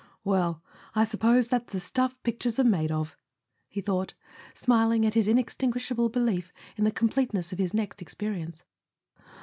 "Well—I suppose that's the stuff pictures are made of," he thought, smiling at his inextinguishable belief in the completeness of his next experience.